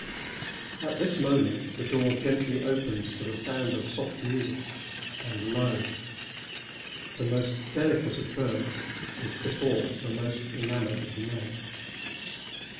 At this moment the door gently opens to the sound of soft music, and lo! the most delicate of birds is before the most enamored of men!